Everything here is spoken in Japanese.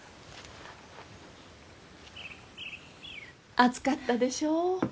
暑かったでしょう？